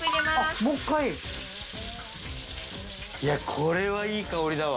これはいい香りだわ。